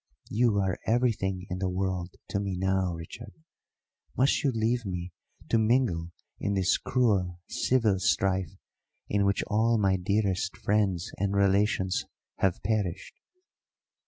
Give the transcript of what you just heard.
You are everything in the world to me now, Richard; must you leave me to mingle in this cruel civil strife in which all my dearest friends and relations have perished."